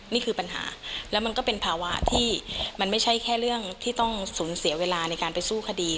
นี่คือปัญหาแล้วมันก็เป็นภาวะที่มันไม่ใช่แค่เรื่องที่ต้องสูญเสียเวลาในการไปสู้คดี